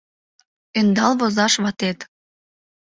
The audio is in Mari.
Ӧндал возаш ватет